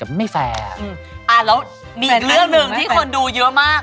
อ้าแล้วมีอีกเรื่องนึงที่คนดูเยอะมาก